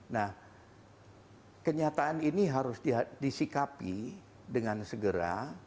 nah kenyataan ini harus disikapi dengan segera